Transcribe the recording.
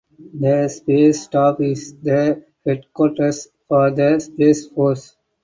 The Space Staff is the headquarters for the Space Force.